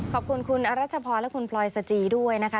ขอบคุณคุณอรัชพรและคุณพลอยสจีริฐิสินทร์ด้วยนะคะ